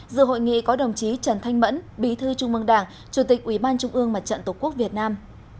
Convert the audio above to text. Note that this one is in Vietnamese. dự hội nghị có đồng chí trần thanh mẫn bí thư trung mương đảng chủ tịch ủy ban trung ương mặt trận tổ quốc việt nam